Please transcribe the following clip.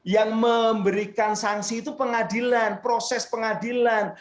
yang memberikan sanksi itu pengadilan proses pengadilan